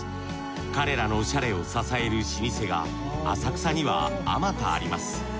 彼らのオシャレを支える老舗が浅草にはあまたあります。